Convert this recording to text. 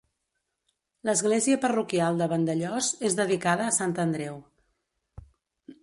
L'església parroquial de Vandellòs és dedicada a Sant Andreu.